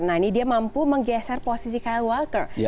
nah ini dia mampu menggeser posisi kyle walker